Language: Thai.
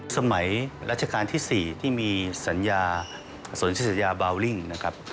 สมัยรัชกาลที่๔ที่มีสัญญาส่วนที่สัญญาบาวริ่งนะครับ